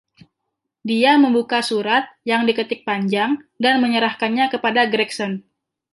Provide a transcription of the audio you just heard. Dia membuka surat yang diketik panjang, dan menyerahkannya kepada Gregson.